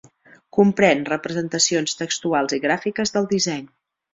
Comprèn representacions textuals i gràfiques del disseny.